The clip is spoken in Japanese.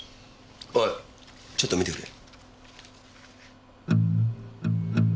おいちょっと見てくれ。